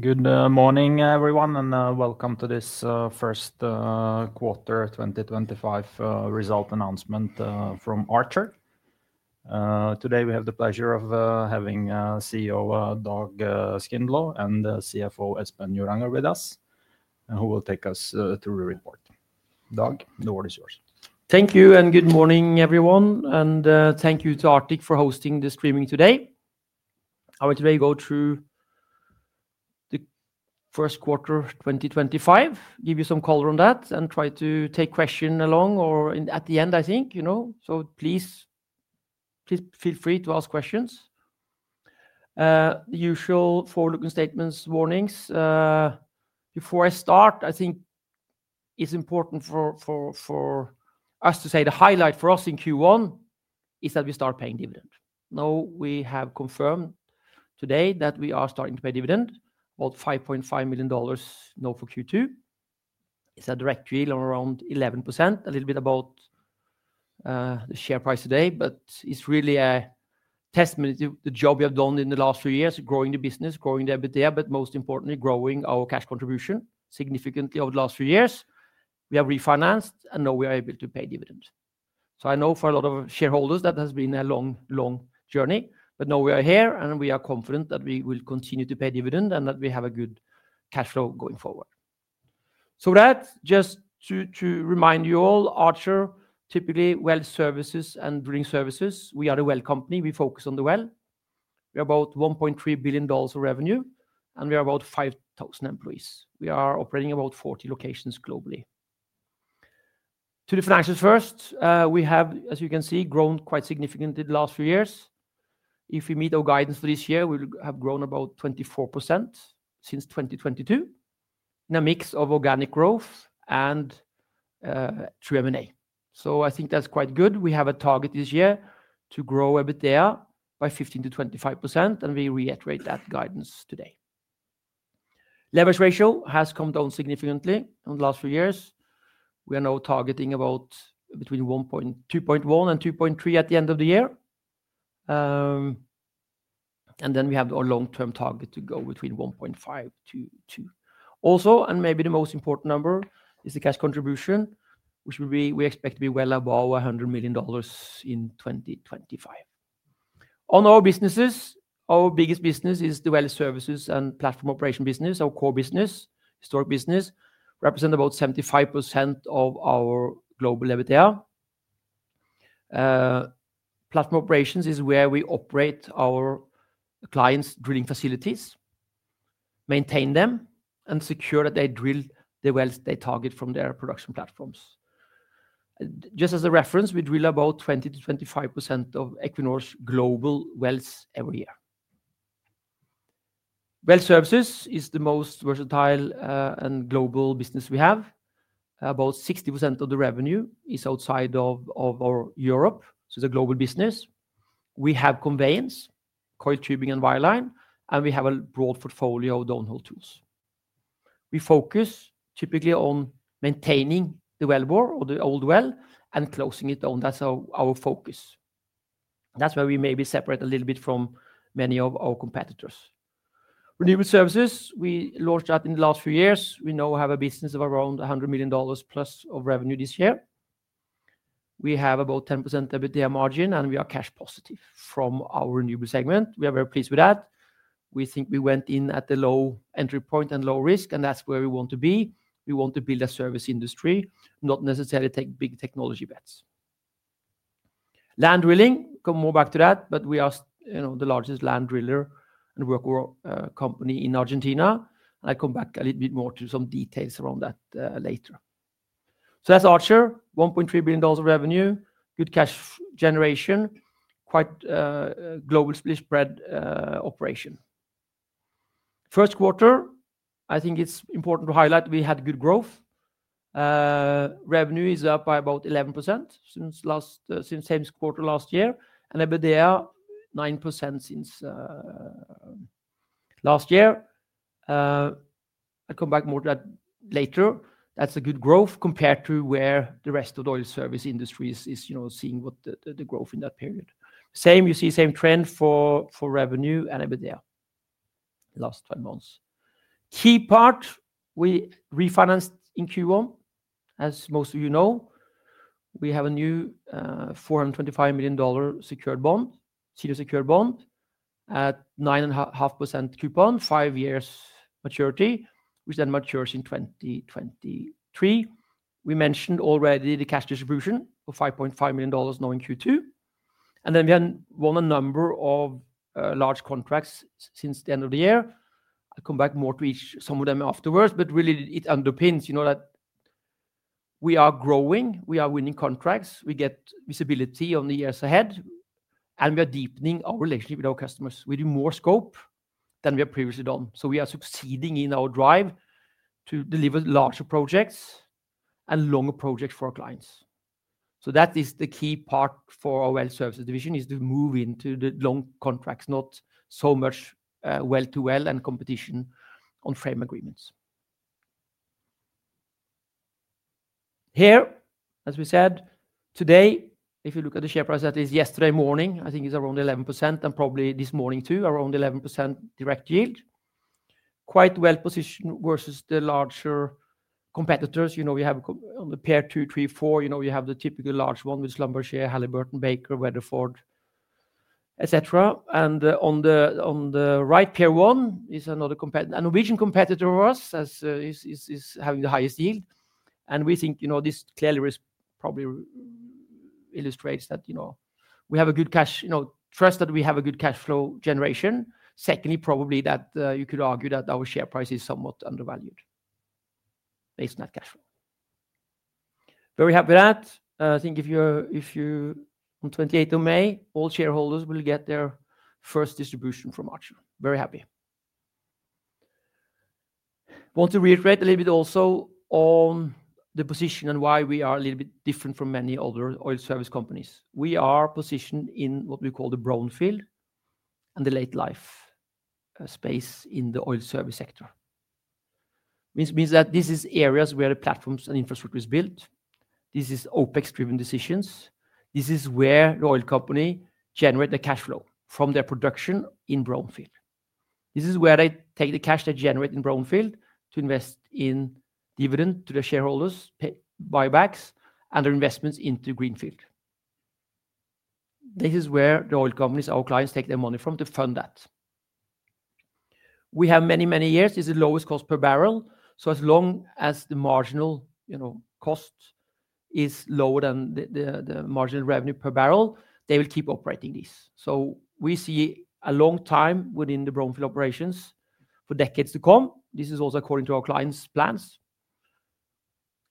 Good morning, everyone, and welcome to this first quarter 2025 result announcement from Archer. Today we have the pleasure of having CEO Dag Skindlo and CFO Espen Joranger with us, who will take us through the report. Dag, the word is yours. Thank you, and good morning, everyone. Thank you to Arctic for hosting the streaming today. I will today go through the first quarter 2025, give you some color on that, and try to take questions along or at the end, I think, you know. Please, please feel free to ask questions. The usual forward-looking statements, warnings. Before I start, I think it's important for us to say the highlight for us in Q1 is that we start paying dividend. Now we have confirmed today that we are starting to pay dividend, about $5.5 million now for Q2. It's a direct yield of around 11%, a little bit above the share price today, but it's really a testament to the job we have done in the last few years, growing the business, growing the EBITDA, but most importantly, growing our cash contribution significantly over the last few years. We have refinanced, and now we are able to pay dividends. I know for a lot of shareholders that has been a long, long journey, but now we are here, and we are confident that we will continue to pay dividend and that we have a good cash flow going forward. Just to remind you all, Archer typically well services and drilling services. We are a well company. We focus on the well. We are about $1.3 billion of revenue, and we are about 5,000 employees. We are operating about 40 locations globally. To the financials first, we have, as you can see, grown quite significantly the last few years. If we meet our guidance for this year, we will have grown about 24% since 2022 in a mix of organic growth and through M&A. I think that's quite good. We have a target this year to grow EBITDA by 15%-25%, and we reiterate that guidance today. Leverage ratio has come down significantly in the last few years. We are now targeting about between 2.1% and 2.3% at the end of the year. We have our long-term target to go between 1.5% to 2%. Also, and maybe the most important number is the cash contribution, which we expect to be well above $100 million in 2025. On our businesses, our biggest business is the well services and platform operation business, our core business, historic business, represents about 75% of our global EBITDA. Platform operations is where we operate our clients' drilling facilities, maintain them, and secure that they drill the wells they target from their production platforms. Just as a reference, we drill about 20%-25% of Equinor's global wells every year. Well services is the most versatile and global business we have. About 60% of the revenue is outside of Europe, so it's a global business. We have conveyance, coil tubing, and wireline, and we have a broad portfolio of down-hole tools. We focus typically on maintaining the wellbore or the old well and closing it down. That's our focus. That's where we maybe separate a little bit from many of our competitors. Renewable services, we launched that in the last few years. We now have a business of around $100 million plus of revenue this year. We have about 10% EBITDA margin, and we are cash positive from our renewable segment. We are very pleased with that. We think we went in at the low-entry-point and low-risk, and that's where we want to be. We want to build a service industry, not necessarily take big technology bets. Land drilling, come more back to that, but we are the largest land driller and worker company in Argentina. I come back a little bit more to some details around that later. That's Archer, $1.3 billion of revenue, good cash generation, quite a globally spread operation. First quarter, I think it's important to highlight we had good growth. Revenue is up by about 11% since last quarter last year, and EBITDA 9% since last year. I'll come back more to that later. That's a good growth compared to where the rest of the oil service industry is seeing what the growth in that period. Same, you see same trend for revenue and EBITDA last 12 months. Key part, we refinanced in Q1, as most of you know. We have a new $425 million secured bond, senior secured bond at 9.5% coupon, five years maturity, which then matures in 2023. We mentioned already the cash distribution of $5.5 million now in Q2. We have won a number of large contracts since the end of the year. I'll come back more to each some of them afterwards, but really it underpins that we are growing, we are winning contracts, we get visibility on the years ahead, and we are deepening our relationship with our customers. We do more scope than we have previously done. We are succeeding in our drive to deliver larger projects and longer projects for our clients. That is the key part for our well services division is to move into the long contracts, not so much well-to-well and competition on frame agreements. Here, as we said, today, if you look at the share price, that is yesterday morning, I think it's around 11% and probably this morning too, around 11% direct yield. Quite well positioned versus the larger competitors. You know, we have on the pair two, three, four, you know, we have the typical large one with Schlumberger, Halliburton, Baker Hughes, Weatherford, etc. On the right, pair one is another competitor, a Norwegian competitor of ours is having the highest yield. We think, you know, this clearly probably illustrates that, you know, we have a good cash, you know, trust that we have a good cash flow generation. Secondly, probably that you could argue that our share price is somewhat undervalued based on that cash flow. Very happy with that. I think if you're on 28th of May, all shareholders will get their first distribution from Archer. Very happy. Want to reiterate a little bit also on the position and why we are a little bit different from many other oil service companies. We are positioned in what we call the brownfield and the late life space in the oil service sector. This means that this is areas where the platforms and infrastructure is built. This is OpEx-driven decisions. This is where the oil company generates the cash flow from their production in brownfield. This is where they take the cash they generate in brownfield to invest in dividend to the shareholders, buybacks, and their investments into greenfield. This is where the oil companies, our clients, take their money from to fund that. We have many, many years. This is the lowest cost per barrel. As long as the marginal cost is lower than the marginal revenue per barrel, they will keep operating this. We see a long time within the brownfield operations for decades to come. This is also according to our clients' plans.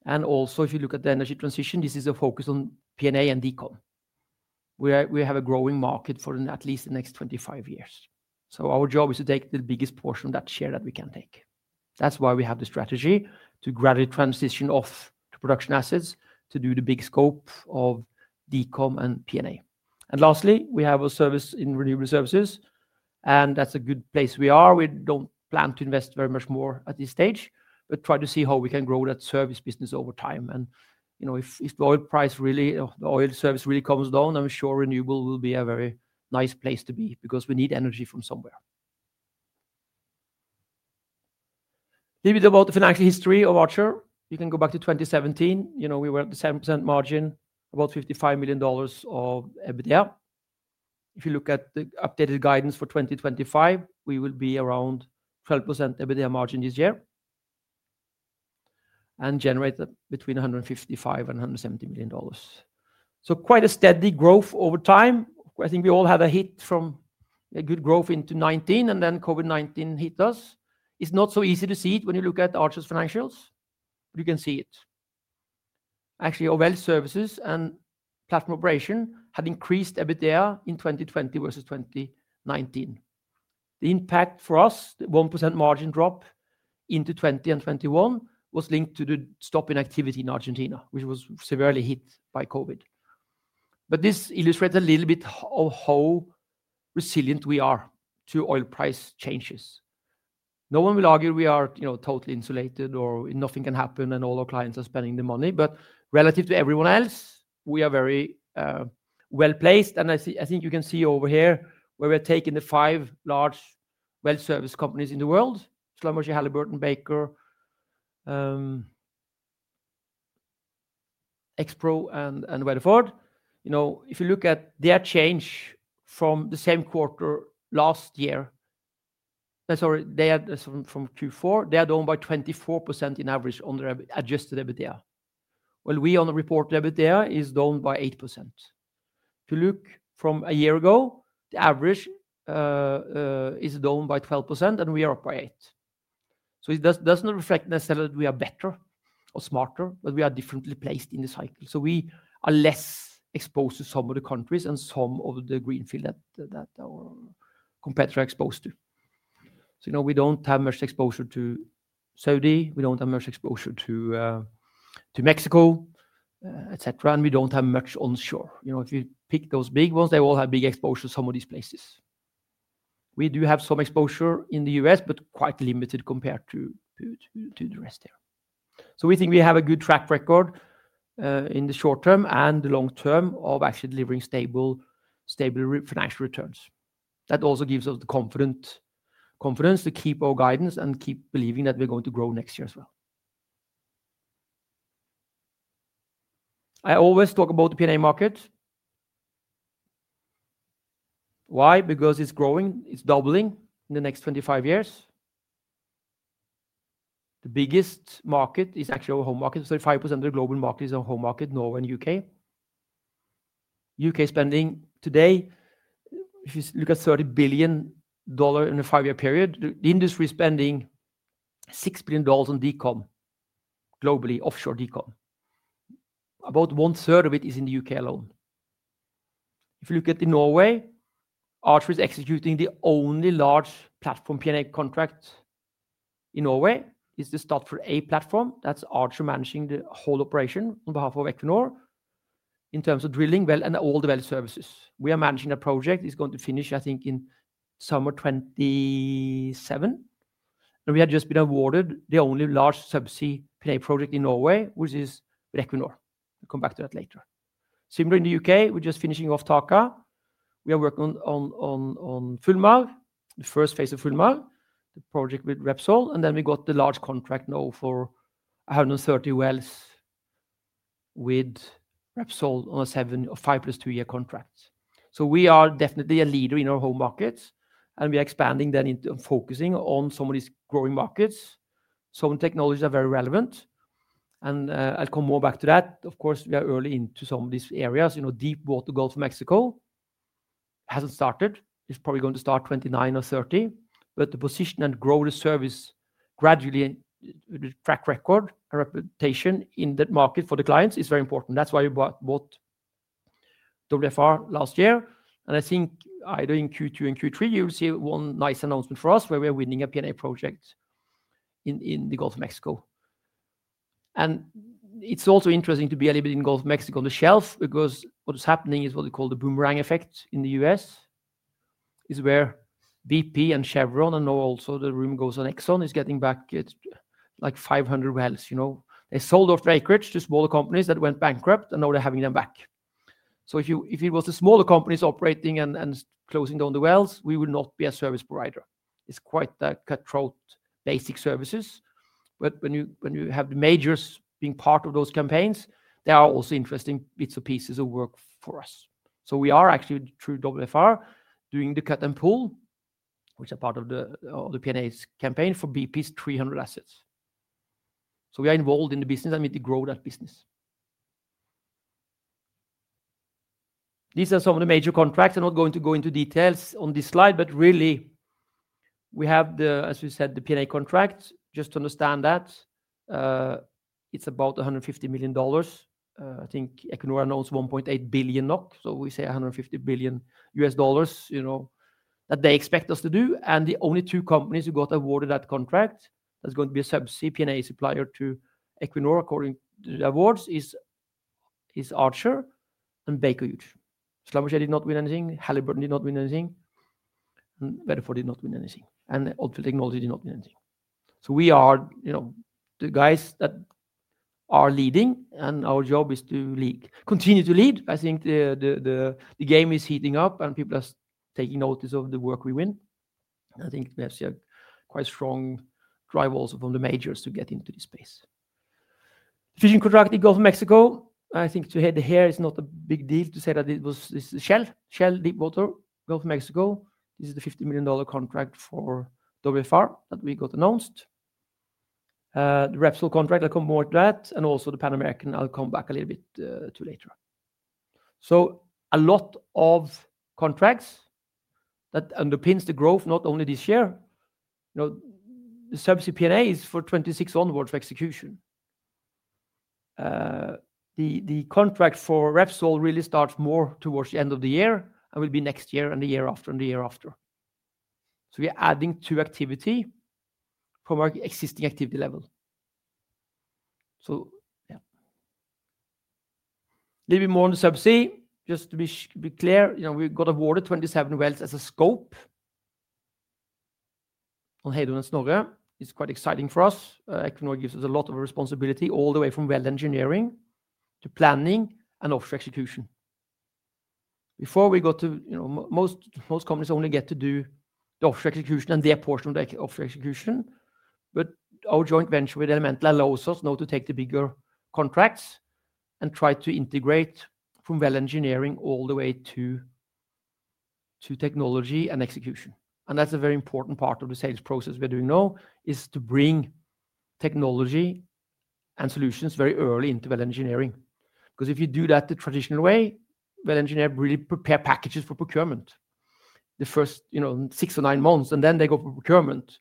Also, if you look at the energy transition, this is a focus on P&A and decom. We have a growing market for at least the next 25 years. Our job is to take the biggest portion of that share that we can take. That is why we have the strategy to gradually transition off to production assets to do the big scope of decom and P&A. Lastly, we have a service in renewable services, and that is a good place we are. We do not plan to invest very much more at this stage, but try to see how we can grow that service business over time. You know, if the oil price really, the oil service really comes down, I'm sure renewable will be a very nice place to be because we need energy from somewhere. A little bit about the financial history of Archer. You can go back to 2017. You know, we were at the 7% margin, about $55 million of EBITDA. If you look at the updated guidance for 2025, we will be around 12% EBITDA margin this year and generate between $155 million and $170 million. Quite a steady growth over time. I think we all had a hit from a good growth into 2019, and then COVID-19 hit us. It's not so easy to see it when you look at Archer's financials, but you can see it. Actually, our well services and platform operation had increased EBITDA in 2020 versus 2019. The impact for us, the 1% margin drop into 2020 and 2021 was linked to the stop in activity in Argentina, which was severely hit by COVID. This illustrates a little bit of how resilient we are to oil price changes. No one will argue we are totally insulated or nothing can happen and all our clients are spending the money, but relative to everyone else, we are very well placed. I think you can see over here where we're taking the five large well service companies in the world, Schlumberger, Halliburton, Baker Hughes, Expro, and Weatherford. You know, if you look at their change from the same quarter last year, sorry, they had from Q4, they are down by 24% in average on their adjusted EBITDA. We on the report EBITDA is down by 8%. To look from a year ago, the average is down by 12%, and we are up by 8%. It does not reflect necessarily that we are better or smarter, but we are differently placed in the cycle. We are less exposed to some of the countries and some of the greenfield that our competitors are exposed to. You know, we do not have much exposure to Saudi. We do not have much exposure to Mexico, etc. We do not have much onshore. You know, if you pick those big ones, they all have big exposure to some of these places. We do have some exposure in the U.S., but quite limited compared to the rest there. We think we have a good track record in the short term and the long term of actually delivering stable financial returns. That also gives us the confidence to keep our guidance and keep believing that we're going to grow next year as well. I always talk about the P&A market. Why? Because it's growing. It's doubling in the next 25 years. The biggest market is actually our home market. So 5% of the global market is our home market, Norway and U.K. U.K. spending today, if you look at $30 billion in a five-year period, the industry is spending $6 billion on decom globally, offshore decom. About one third of it is in the U.K. alone. If you look at Norway, Archer is executing the only large platform P&A contract in Norway. It's the start for a platform. That's Archer managing the whole operation on behalf of Equinor in terms of drilling, well, and all the well services. We are managing a project that is going to finish, I think, in summer 2027. We had just been awarded the only large subsea P&A project in Norway, which is with Equinor. We will come back to that later. Similar in the U.K., we are just finishing off TACA. We are working on Fullmark, the first phase of Fullmark, the project with Repsol. We got the large contract now for 130 wells with Repsol on a seven or five plus two-year contract. We are definitely a leader in our home market. We are expanding then into and focusing on some of these growing markets. Some technologies are very relevant. I will come more back to that. Of course, we are early into some of these areas. You know, deep water Gulf of Mexico has not started. It is probably going to start 2029 or 2030. The position and grow the service gradually and track record and reputation in that market for the clients is very important. That is why we bought WFR last year. I think either in Q2 or Q3, you will see one nice announcement for us where we are winning a P&A project in the Gulf of Mexico. It is also interesting to be a little bit in Gulf of Mexico on the shelf because what is happening is what we call the boomerang effect in the U.S., where BP and Chevron and now also the rumor goes on Exxon is getting back like 500 wells. You know, they sold off, like, acreage to smaller companies that went bankrupt and now they are having them back. If it was the smaller companies operating and closing down the wells, we would not be a service provider. It is quite a cut-throat basic services. When you have the majors being part of those campaigns, there are also interesting bits of pieces of work for us. We are actually through WFR doing the cut and pull, which is a part of the P&A campaign for BP's 300 assets. We are involved in the business and we need to grow that business. These are some of the major contracts. I'm not going to go into details on this slide, but really we have the, as we said, the P&A contract. Just to understand that, it's about $150 million. I think Equinor announced 1.8 billion NOK. We say $150 million, you know, that they expect us to do. The only two companies who got awarded that contract, that's going to be a subsea P&A supplier to Equinor according to the awards, are Archer and Baker Hughes. Schlumberger did not win anything. Halliburton did not win anything. And Weatherford did not win anything. And Oilfield Technology did not win anything. We are, you know, the guys that are leading and our job is to lead, continue to lead. I think the game is heating up and people are taking notice of the work we win. I think we have quite a strong drive also from the majors to get into this space. Fishing contract in Gulf of Mexico. I think to head the hair is not a big deal to say that it was Shell, Shell Deepwater Gulf of Mexico. This is the $50 million contract for WFR that we got announced. The Repsol contract, I'll come more to that. Also the Pan American, I'll come back a little bit to later. A lot of contracts underpin the growth, not only this year. You know, the subsea P&A is for 2026 onwards for execution. The contract for Repsol really starts more towards the end of the year and will be next year and the year after and the year after. We are adding to activity from our existing activity level. Yeah, a little bit more on the subsea, just to be clear, you know, we got awarded 27 wells as a scope on Hedun and Snorre. It is quite exciting for us. Equinor gives us a lot of responsibility all the way from well engineering to planning and offshore execution. Before, most companies only get to do the offshore execution and their portion of the offshore execution. Our joint venture with Elemental allows us now to take the bigger contracts and try to integrate from well engineering all the way to technology and execution. That is a very important part of the sales process we are doing now, to bring technology and solutions very early into well engineering. Because if you do that the traditional way, well engineer really prepare packages for procurement the first, you know, six or nine months, and then they go for procurement,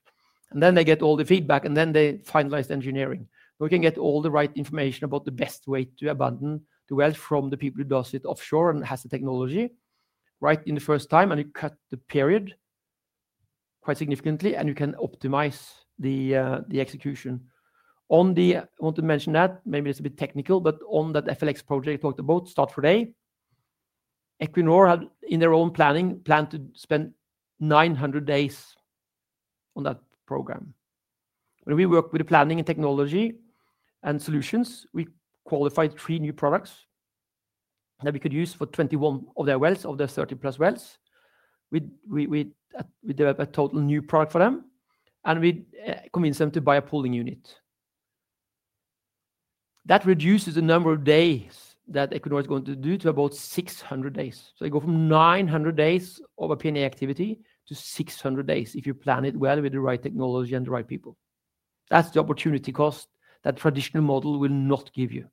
and then they get all the feedback, and then they finalize the engineering. We can get all the right information about the best way to abandon the well from the people who do it offshore and have the technology right in the first time, and you cut the period quite significantly, and you can optimize the execution. I want to mention that maybe it's a bit technical, but on that FLX project I talked about, start for day, Equinor had in their own planning planned to spend 900 days on that program. When we work with the planning and technology and solutions, we qualified three new products that we could use for 21 of their wells, of their 30 plus wells. We developed a total new product for them, and we convinced them to buy a pooling unit. That reduces the number of days that Equinor is going to do to about 600 days. They go from 900 days of a P&A activity to 600 days if you plan it well with the right technology and the right people. That's the opportunity cost that traditional model will not give you.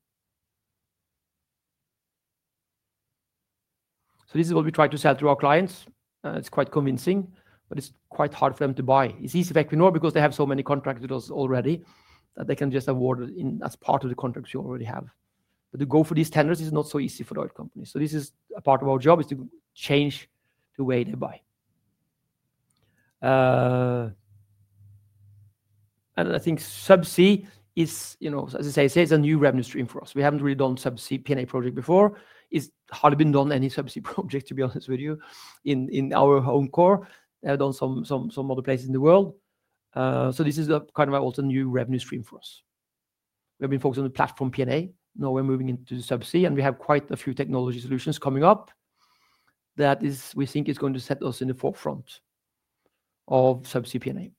This is what we try to sell to our clients. It's quite convincing, but it's quite hard for them to buy. It's easy for Equinor because they have so many contracts with us already that they can just award it as part of the contracts you already have. To go for these tenders is not so easy for the oil companies. This is a part of our job is to change the way they buy. I think subsea is, you know, as I say, it's a new revenue stream for us. We haven't really done subsea P&A project before. It's hardly been done any subsea project, to be honest with you, in our own core, done some other places in the world. This is kind of also a new revenue stream for us. We've been focused on the platform P&A. Now we're moving into the subsea, and we have quite a few technology solutions coming up that we think is going to set us in the forefront of subsea P&A.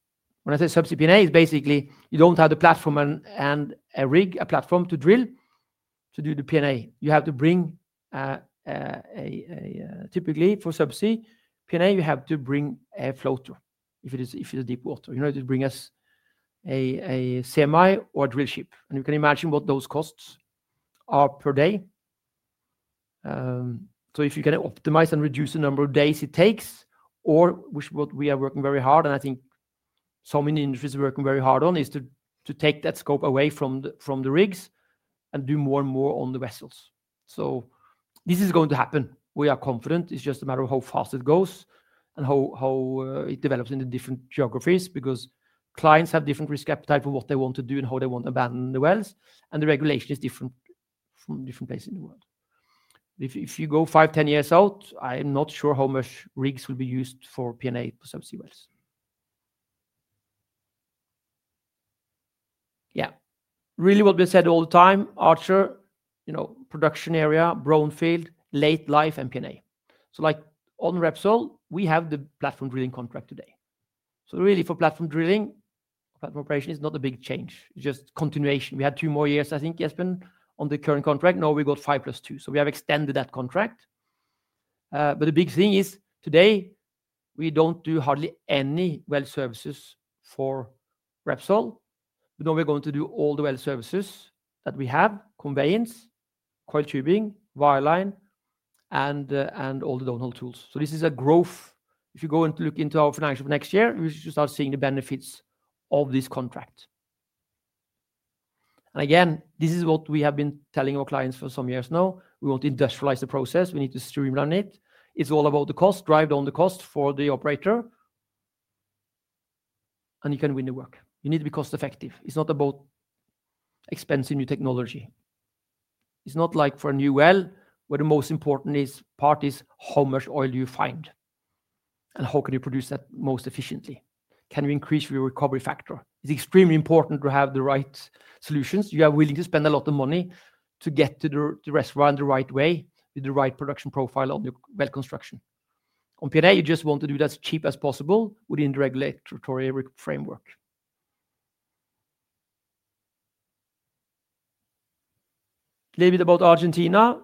When I say subsea P&A, it's basically you don't have the platform and a rig, a platform to drill to do the P&A. You have to bring, typically for subsea P&A, you have to bring a floater if it is deep water. You know, it would bring us a semi or a drill ship. And you can imagine what those costs are per day. If you can optimize and reduce the number of days it takes, or which what we are working very hard, and I think so many industries are working very hard on, is to take that scope away from the rigs and do more and more on the vessels. This is going to happen. We are confident. It's just a matter of how fast it goes and how it develops in the different geographies because clients have different risk appetite for what they want to do and how they want to abandon the wells. The regulation is different from different places in the world. If you go five, ten years out, I'm not sure how much rigs will be used for P&A for subsea wells. Yeah, really what we've said all the time, Archer, you know, production area, brownfield, late life, and P&A. Like on Repsol, we have the platform drilling contract today. Really for platform drilling, platform operation is not a big change. It's just continuation. We had two more years, I think, Espen, on the current contract. Now we got five plus two. We have extended that contract. The big thing is today we do not do hardly any well services for Repsol. Now we are going to do all the well services that we have: conveyance, coil tubing, wireline, and all the down-hole tools. This is a growth. If you go and look into our financials for next year, we should start seeing the benefits of this contract. Again, this is what we have been telling our clients for some years now. We want to industrialize the process. We need to streamline it. It is all about the cost, drive down the cost for the operator. You can win the work. You need to be cost-effective. It is not about expensive new technology. It is not like for a new well where the most important part is how much oil you find and how you can produce that most efficiently. Can you increase your recovery factor? It's extremely important to have the right solutions. You are willing to spend a lot of money to get to the reservoir the right way with the right production profile on your well construction. On P&A, you just want to do that as cheap as possible within the regulatory framework. A little bit about Argentina.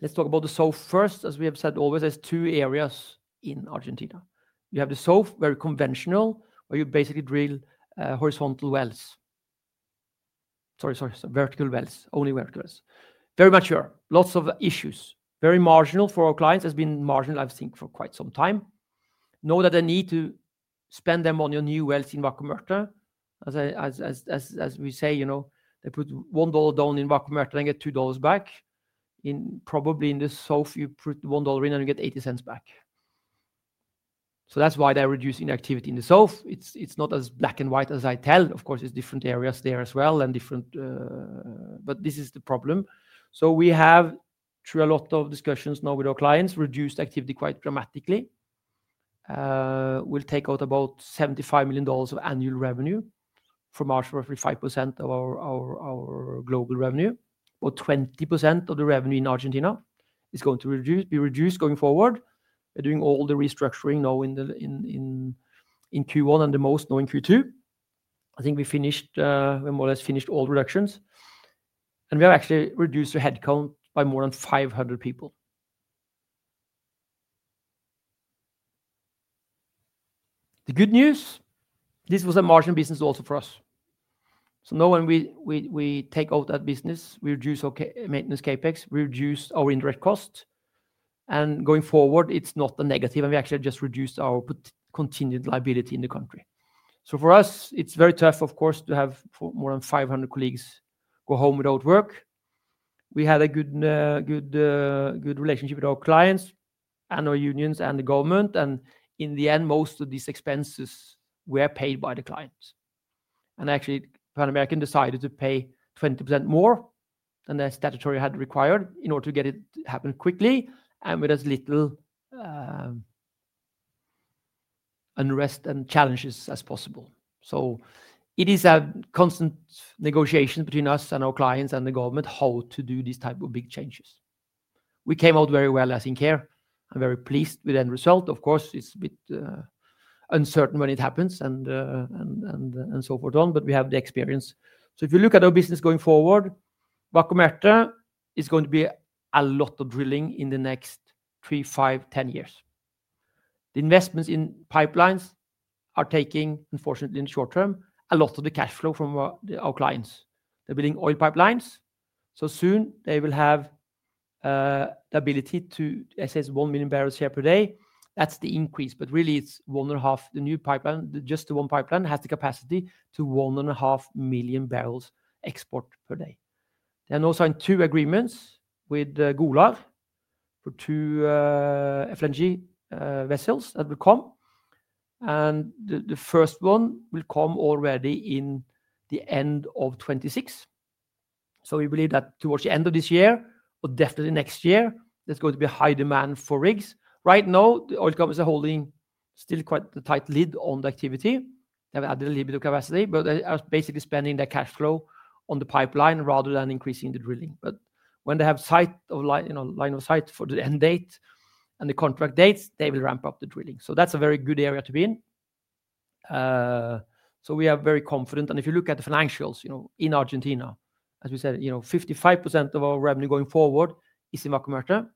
Let's talk about the south first. As we have said always, there are two areas in Argentina. You have the south, very conventional, where you basically drill horizontal wells. Sorry, sorry, vertical wells, only vertical wells. Very mature, lots of issues, very marginal for our clients. Has been marginal, I think, for quite some time. Know that they need to spend the money on your new wells in Vaca Muerta. As we say, you know, they put $1 down in Vaca Muerta and get $2 back. Probably in the south, you put $1 in and you get $0.80 back. That's why they're reducing the activity in the south. It's not as black and white as I tell. Of course, there's different areas there as well and different. This is the problem. We have, through a lot of discussions now with our clients, reduced activity quite dramatically. We'll take out about $75 million of annual revenue from our roughly 5% of our global revenue. About 20% of the revenue in Argentina is going to be reduced going forward. We're doing all the restructuring now in Q1 and the most now in Q2. I think we more or less finished all the reductions. We have actually reduced the headcount by more than 500 people. The good news, this was a margin business also for us. Now when we take out that business, we reduce our maintenance CapEx, we reduce our indirect cost. Going forward, it's not a negative. We actually just reduced our continued liability in the country. For us, it's very tough, of course, to have more than 500 colleagues go home without work. We had a good relationship with our clients and our unions and the government. In the end, most of these expenses were paid by the client. Actually, Pan American decided to pay 20% more than their statutory had required in order to get it happen quickly and with as little unrest and challenges as possible. It is a constant negotiation between us and our clients and the government how to do these type of big changes. We came out very well as InCare. I'm very pleased with the end result. Of course, it's a bit uncertain when it happens and so forth on, but we have the experience. If you look at our business going forward, Vaca Muerta is going to be a lot of drilling in the next three, five, ten years. The investments in pipelines are taking, unfortunately, in the short term, a lot of the cash flow from our clients. They're building oil pipelines. Soon they will have the ability to, I say, one million barrels share per day. That's the increase. Really, it's one and a half. The new pipeline, just the one pipeline, has the capacity to one and a half million barrels export per day. They're now signing two agreements with Golar for two FLNG vessels that will come. The first one will come already in the end of 2026. We believe that towards the end of this year or definitely next year, there's going to be high demand for rigs. Right now, the oil companies are holding still quite the tight lid on the activity. They've added a little bit of capacity, but they are basically spending their cash flow on the pipeline rather than increasing the drilling. When they have sight of, you know, line of sight for the end date and the contract dates, they will ramp up the drilling. That is a very good area to be in. We are very confident. If you look at the financials, you know, in Argentina, as we said, you know, 55% of our revenue going forward is in Vaca Muerta.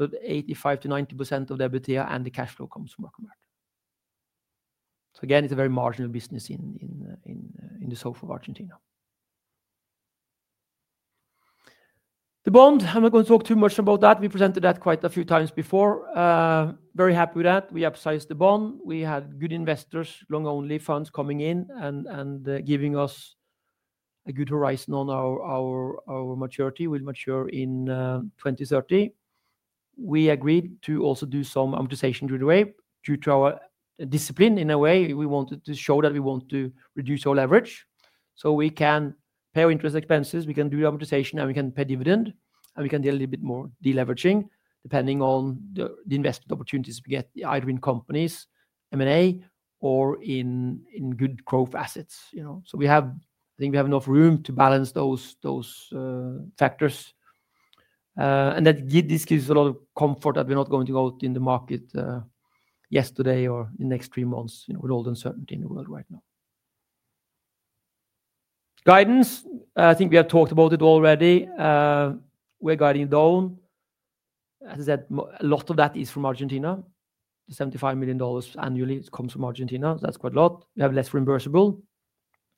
85%-90% of their and the cash flow comes from Vaca Muerta. Again, it is a very marginal business in the south of Argentina. The bond, I'm not going to talk too much about that. We presented that quite a few times before. Very happy with that. We upsized the bond. We had good investors, long-only funds coming in and giving us a good horizon on our maturity. We will mature in 2030. We agreed to also do some amortization through the way due to our discipline in a way. We wanted to show that we want to reduce our leverage. We can pay our interest expenses, we can do the amortization, and we can pay dividend, and we can do a little bit more deleveraging depending on the investment opportunities we get either in companies, M&A, or in good growth assets. You know, we have, I think we have enough room to balance those factors. That gives us a lot of comfort that we are not going to go out in the market yesterday or in the next three months, you know, with all the uncertainty in the world right now. Guidance, I think we have talked about it already. We're guiding down. As I said, a lot of that is from Argentina. The $75 million annually, it comes from Argentina. That's quite a lot. We have less reimbursable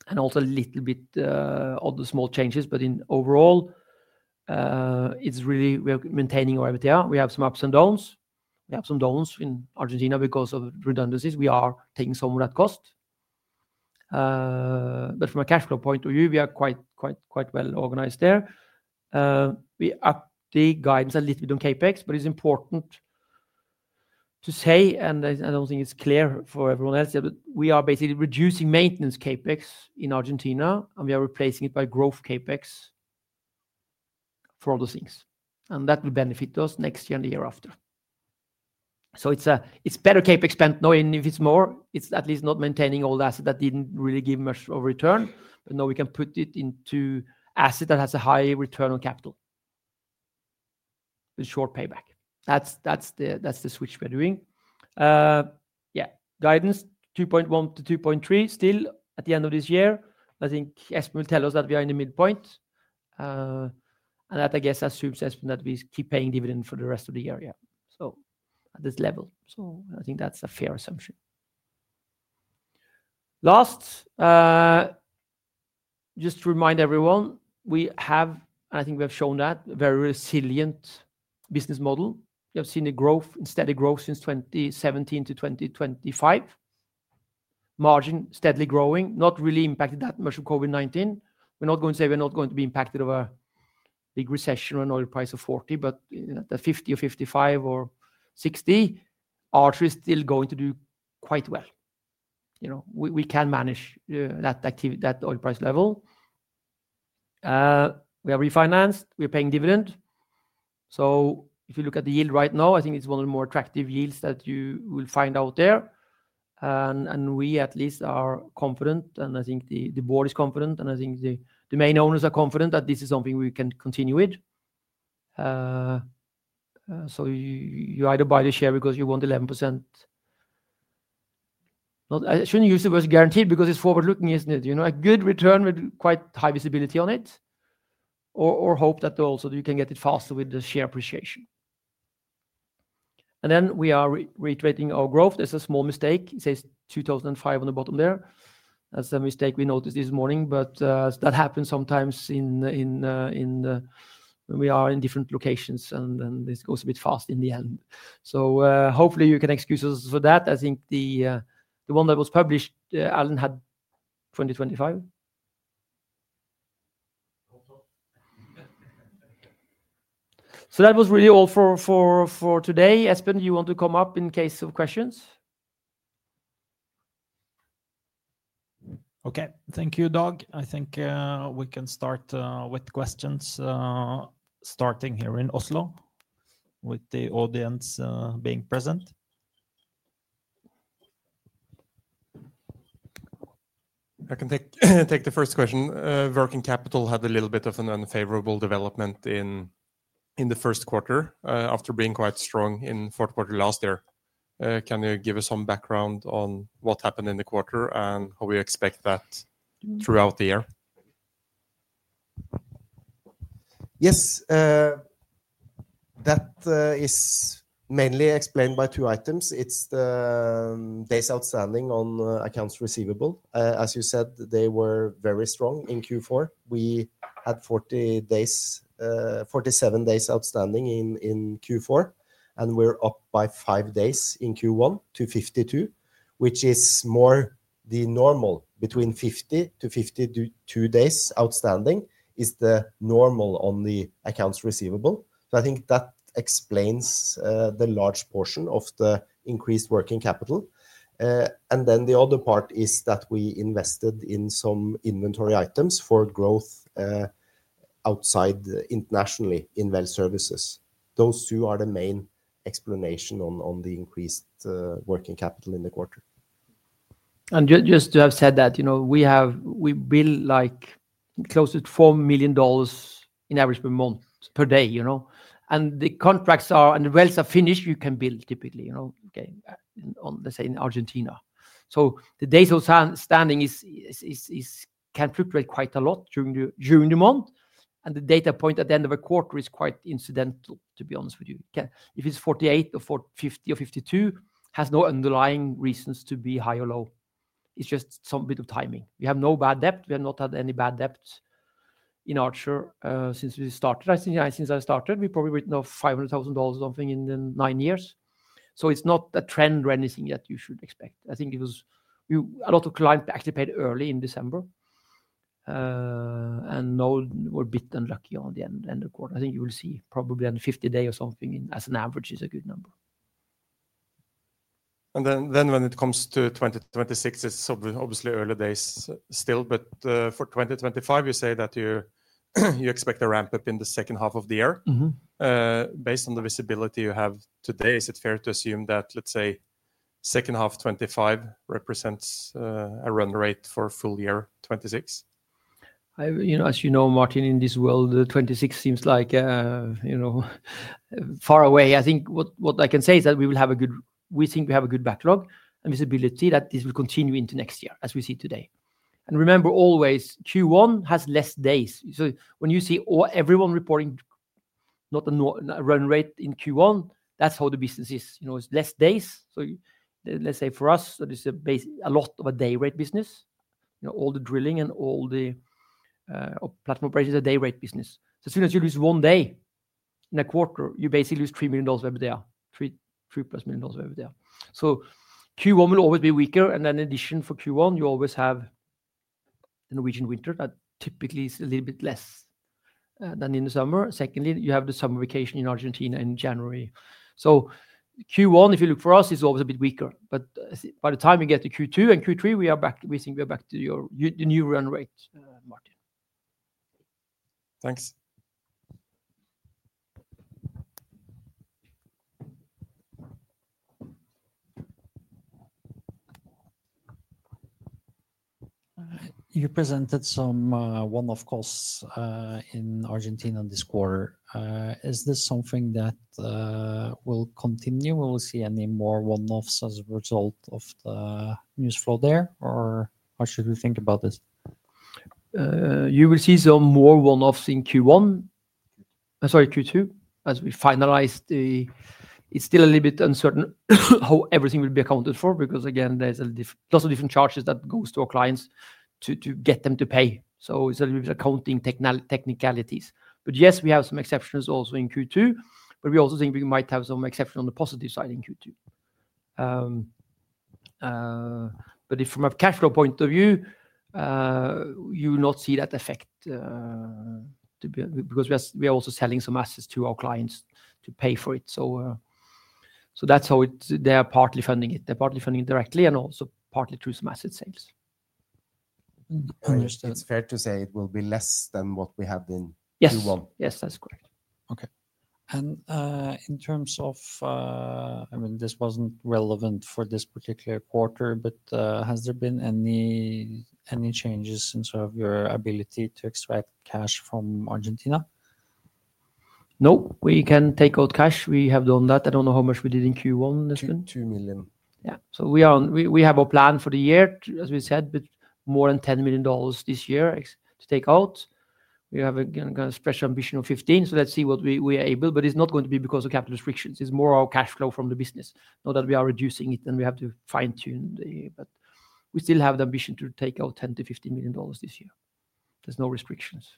and also a little bit of the small changes. In overall, it's really we're maintaining our MTR. We have some ups and downs. We have some downs in Argentina because of redundancies. We are taking some of that cost. From a cash flow point of view, we are quite, quite, quite well organized there. We update guidance a little bit on CapEx, but it's important to say, and I don't think it's clear for everyone else, we are basically reducing maintenance CapEx in Argentina, and we are replacing it by growth CapEx for all those things. That will benefit us next year and the year after. It is better CapEx spent now. If it is more, it is at least not maintaining all the asset that did not really give much of a return. Now we can put it into asset that has a high return on capital with short payback. That is the switch we are doing. Guidance $2.1 [billion]-$2.3 [billion] still at the end of this year. I think Espen will tell us that we are in the midpoint. That, I guess, assumes, Espen, that we keep paying dividend for the rest of the year. At this level, I think that is a fair assumption. Last, just to remind everyone, we have, and I think we have shown that, a very resilient business model. We have seen steady growth since 2017-2025. Margin steadily growing, not really impacted that much by COVID-19. We're not going to say we're not going to be impacted of a big recession or an oil price of $40, but at $50 or $55 or $60, Archer is still going to do quite well. You know, we can manage that activity, that oil price level. We are refinanced. We're paying dividend. If you look at the yield right now, I think it's one of the more attractive yields that you will find out there. We at least are confident, and I think the board is confident, and I think the main owners are confident that this is something we can continue with. You either buy the share because you want 11%. I shouldn't use the word guaranteed because it's forward-looking, isn't it? You know, a good return with quite high visibility on it. Or hope that also you can get it faster with the share appreciation. We are reiterating our growth. There is a small mistake. It says 2005 on the bottom there. That is a mistake we noticed this morning. That happens sometimes when we are in different locations, and this goes a bit fast in the end. Hopefully you can excuse us for that. I think the one that was published, Alan had 2025. That was really all for today. Espen, do you want to come up in case of questions? Okay, thank you, Dag. I think we can start with questions starting here in Oslo with the audience being present. I can take the first question. Working capital had a little bit of an unfavorable development in the first quarter after being quite strong in the fourth quarter last year. Can you give us some background on what happened in the quarter and how we expect that throughout the year? Yes, that is mainly explained by two items. It's the days outstanding on accounts receivable. As you said, they were very strong in Q4. We had 47 days outstanding in Q4, and we're up by five days in Q1 to 52, which is more the normal. Between 50-52 days outstanding is the normal on the accounts receivable. I think that explains the large portion of the increased working capital. The other part is that we invested in some inventory items for growth outside internationally in well services. Those two are the main explanation on the increased working capital in the quarter. Just to have said that, you know, we build like close to $4 million in average per month per day, you know. The contracts are and the wells are finished, you can build typically, you know, okay, on, let's say, in Argentina. The days outstanding can fluctuate quite a lot during the month. The data point at the end of a quarter is quite incidental, to be honest with you. If it is 48 or 50 or 52, it has no underlying reasons to be high or low. It is just some bit of timing. We have no bad debt. We have not had any bad debt in Archer since we started. I think since I started, we probably written off $500,000 or something in the nine years. It is not a trend or anything that you should expect. I think it was a lot of clients actually paid early in December. Now we're a bit unlucky on the end of the quarter. I think you will see probably on the 50-day or something as an average is a good number. When it comes to 2026, it's obviously early days still. For 2025, you say that you expect a ramp up in the second half of the year. Based on the visibility you have today, is it fair to assume that, let's say, second half 2025 represents a run rate for full year 2026? You know, as you know, Martin, in this world, 2026 seems like, you know, far away. I think what I can say is that we will have a good, we think we have a good backlog and visibility that this will continue into next year as we see today. Remember always, Q1 has less days. When you see everyone reporting not a run rate in Q1, that's how the business is. You know, it's less days. Let's say for us, that is a lot of a day rate business. You know, all the drilling and all the platform operations are day rate business. As soon as you lose one day in a quarter, you basically lose $3 million over there, $3 plus million over there. Q1 will always be weaker. In addition for Q1, you always have the Norwegian winter that typically is a little bit less than in the summer. Secondly, you have the summer vacation in Argentina in January. Q1, if you look for us, is always a bit weaker. By the time you get to Q2 and Q3, we are back, we think we are back to your new run rate, Martin. Thanks. You presented some one-off costs in Argentina this quarter. Is this something that will continue? Will we see any more one-offs as a result of the news flow there, or how should we think about this? You will see some more one-offs in Q1. I'm sorry, Q2, as we finalize the, it's still a little bit uncertain how everything will be accounted for because, again, there's a lot of different charges that go to our clients to get them to pay. It's a little bit of accounting technicalities. Yes, we have some exceptions also in Q2, but we also think we might have some exceptions on the positive side in Q2. If from a cash flow point of view, you will not see that effect because we are also selling some assets to our clients to pay for it. That is how they are partly funding it. They are partly funding it directly and also partly through some asset sales. Understood. It is fair to say it will be less than what we have in Q1. Yes, that is correct. Okay. In terms of, I mean, this was not relevant for this particular quarter, but has there been any changes in sort of your ability to extract cash from Argentina? No, we can take out cash. We have done that. I do not know how much we did in Q1, Espen. $2 million. Yeah. We have a plan for the year, as we said, but more than $10 million this year to take out. We have a special ambition of $15 million. Let's see what we are able. It's not going to be because of capital restrictions. It's more our cash flow from the business. Not that we are reducing it and we have to fine-tune the, but we still have the ambition to take out $10 million-$15 million this year. There's no restrictions.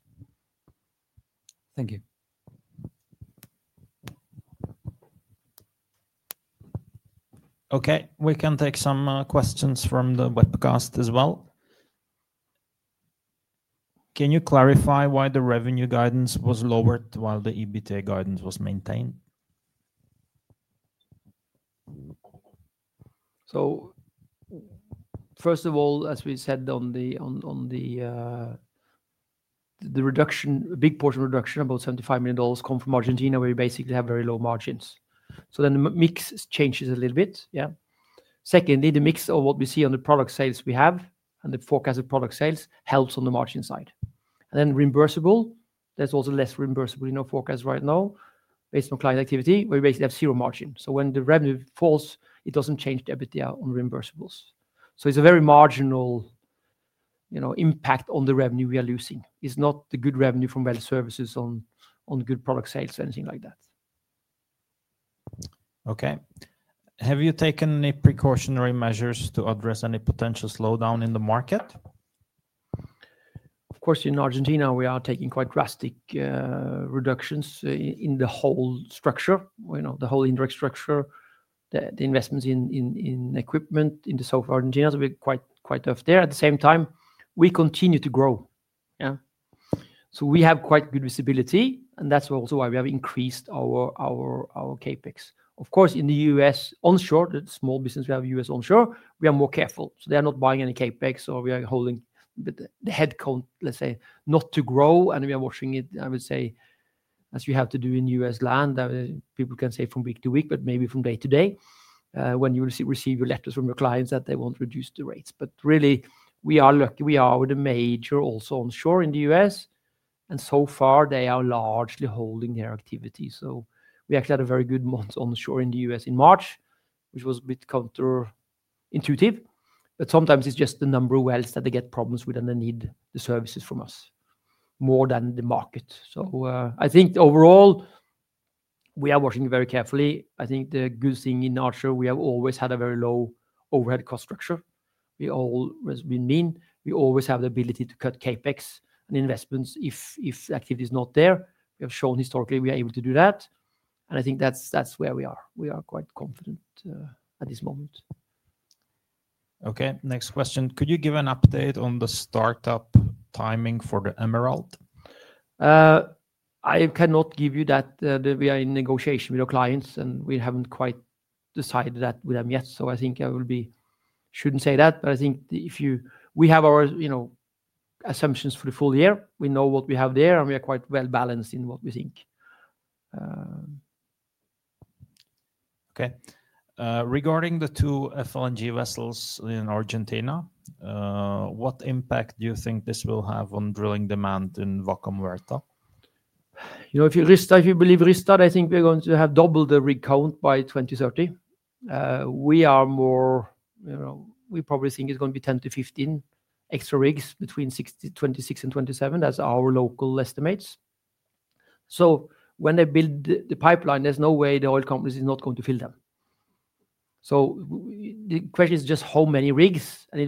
Thank you. Okay, we can take some questions from the webcast as well. Can you clarify why the revenue guidance was lowered while the EBITDA guidance was maintained? First of all, as we said on the reduction, a big portion of reduction, about $75 million, comes from Argentina, where we basically have very low margins. Then the mix changes a little bit. Yeah. Secondly, the mix of what we see on the product sales we have and the forecasted product sales helps on the margin side. Then reimbursable, there is also less reimbursable in our forecast right now based on client activity, where we basically have zero margin. When the revenue falls, it does not change the EBITDA on reimbursables. It is a very marginal, you know, impact on the revenue we are losing. It is not the good revenue from well services on good product sales or anything like that. Okay. Have you taken any precautionary measures to address any potential slowdown in the market? Of course, in Argentina, we are taking quite drastic reductions in the whole structure, you know, the whole indirect structure, the investments in equipment in the south of Argentina. We are quite up there. At the same time, we continue to grow. Yeah. We have quite good visibility, and that is also why we have increased our CapEx. Of course, in the U.S. onshore, the small business we have in the U.S. onshore, we are more careful. They are not buying any CapEx, or we are holding the headcount, let's say, not to grow, and we are watching it, I would say, as you have to do in U.S. land. People can say from week to week, but maybe from day to day when you receive your letters from your clients that they want to reduce the rates. Really, we are lucky. We are with a major also onshore in the U.S., and so far they are largely holding their activity. We actually had a very good month onshore in the U.S. in March, which was a bit counterintuitive, but sometimes it is just the number of wells that they get problems with and they need the services from us more than the market. I think overall, we are watching very carefully. I think the good thing in Archer, we have always had a very low overhead cost structure. We have always been mean. We always have the ability to cut CapEx and investments if the activity is not there. We have shown historically we are able to do that. I think that is where we are. We are quite confident at this moment. Okay. Next question. Could you give an update on the startup timing for the Emerald? I cannot give you that. We are in negotiation with our clients, and we have not quite decided that with them yet. I think I should not say that, but I think if you, we have our, you know, assumptions for the full year, we know what we have there, and we are quite well balanced in what we think. Okay. Regarding the two FLNG vessels in Argentina, what impact do you think this will have on drilling demand in Vaca Muerta? You know, if you believe Ristad, I think we're going to have double the rig count by 2030. We are more, you know, we probably think it's going to be 10-15 extra rigs between 2026 and 2027. That's our local estimates. When they build the pipeline, there's no way the oil companies are not going to fill them. The question is just how many rigs, and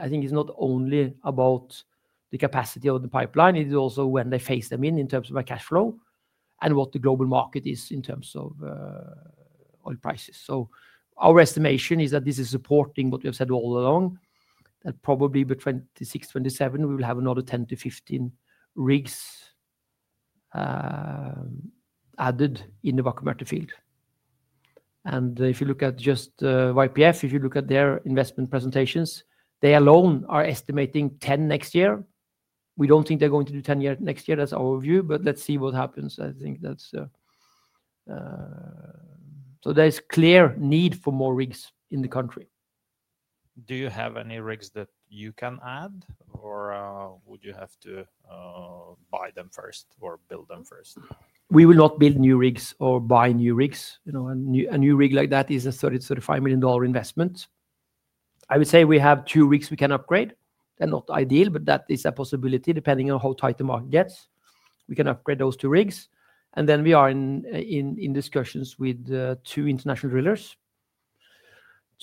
I think it's not only about the capacity of the pipeline, it is also when they phase them in in terms of our cash flow and what the global market is in terms of oil prices. Our estimation is that this is supporting what we have said all along, that probably by 2026, 2027, we will have another 10-15 rigs added in the Vaca Muerta field. If you look at just YPF, if you look at their investment presentations, they alone are estimating 10 next year. We do not think they are going to do 10 rigs next year. That is our view, but let's see what happens. I think that shows there is clear need for more rigs in the country. Do you have any rigs that you can add, or would you have to buy them first or build them first? We will not build new rigs or buy new rigs. You know, a new rig like that is a $30 million-$35 million investment. I would say we have two rigs we can upgrade. They're not ideal, but that is a possibility depending on how tight the market gets. We can upgrade those two rigs. We are in discussions with two international drillers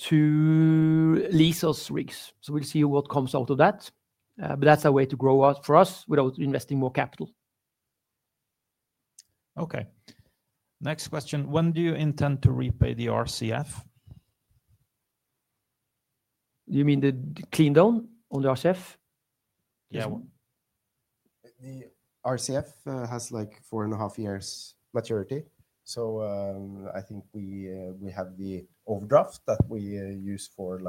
to lease those rigs. We'll see what comes out of that. That's a way to grow out for us without investing more capital. Okay. Next question. When do you intend to repay the RCF? You mean the clean down on the RCF? Yeah. The RCF has like four and a half years maturity. I think we have the overdraft that we use for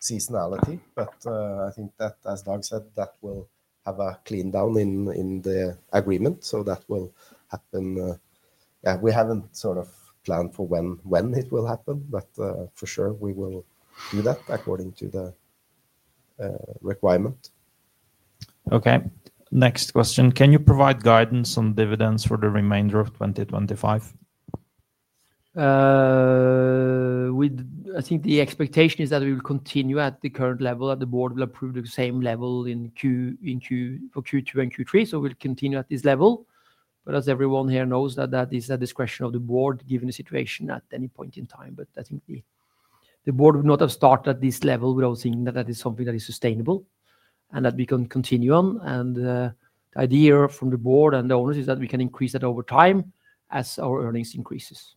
seasonality. I think that, as Dag said, that will have a clean down in the agreement. That will happen. We haven't sort of planned for when it will happen, but for sure we will do that according to the requirement. Okay. Next question. Can you provide guidance on dividends for the remainder of 2025? I think the expectation is that we will continue at the current level, that the board will approve the same level in Q2 and Q3. We will continue at this level. As everyone here knows, that is a discretion of the board given the situation at any point in time. I think the board would not have started at this level without seeing that that is something that is sustainable and that we can continue on. The idea from the board and the owners is that we can increase that over time as our earnings increases.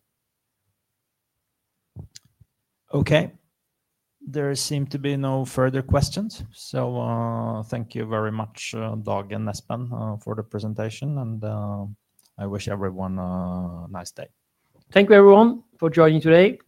Okay. There seem to be no further questions. Thank you very much, Dag and Espen, for the presentation. I wish everyone a nice day. Thank you, everyone, for joining today.